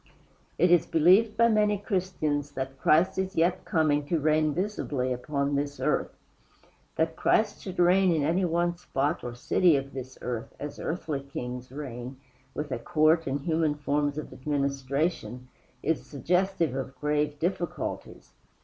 It is believed by many Christians that Christ is yet coming to reign visibly upon this earth. That Christ should reign in any one spot or city of this earth, as earthly kings reign, with a court and human forms of administration, is suggestive of grave difficulties.